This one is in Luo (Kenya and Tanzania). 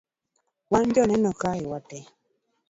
wan joneno kae wate